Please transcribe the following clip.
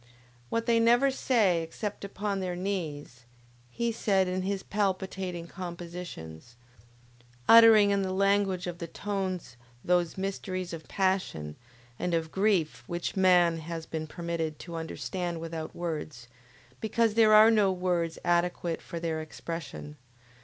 What they never say except upon their knees, he said in his palpitating compositions; uttering in the language of the tones those mysteries of passion and of grief which man has been permitted to understand without words, because there are no words adequate for their expression.